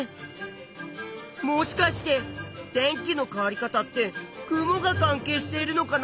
もしかして天気の変わり方って雲が関係しているのかな？